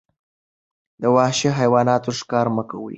د وحشي حیواناتو ښکار مه کوئ.